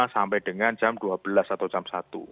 sampai dengan jam dua belas atau jam satu